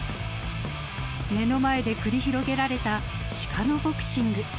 目の前で繰り広げられたシカのボクシング。